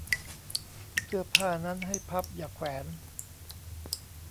เสื้อผ้านั้นให้พับอย่าแขวน